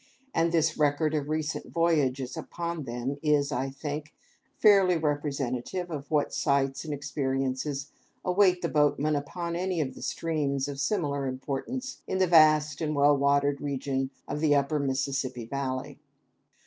And this record of recent voyages upon them is, I think, fairly representative of what sights and experiences await the boatman upon any of the streams of similar importance in the vast and well watered region of the upper Mississippi valley.